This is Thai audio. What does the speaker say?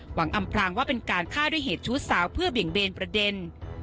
อำพรางว่าเป็นการฆ่าด้วยเหตุชู้สาวเพื่อเบี่ยงเบนประเด็น